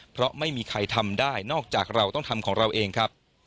เพราะไม่มีใครทำได้นอกจากเราต้องทำของเราเองครับ